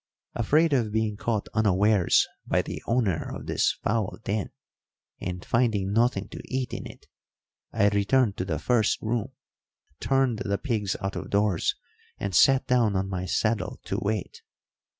Afraid of being caught unawares by the owner of this foul den, and finding nothing to eat in it, I returned to the first room, turned the pigs out of doors, and sat down on my saddle to wait.